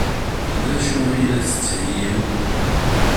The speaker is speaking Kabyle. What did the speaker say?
D acu ay la d-tettheyyi?